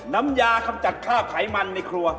น้ำยากำจัดค่าไขมันในครัว